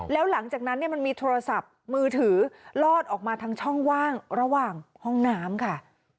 แล้วหลังจากนั้นมันมีโทรศัพท์มือถือลอดออกมาทางช่องว่างระหว่างห้องน้ำค่ะ